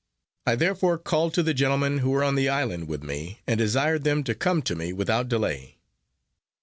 I therefore called to the gentlemen, who were on the island with me, and desired them to come to me without delay.